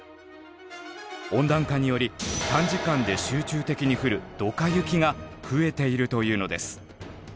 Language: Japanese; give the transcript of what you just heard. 温暖化により短時間で集中的に降るドカ雪が増えているというのです。